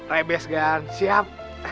rebes gan siap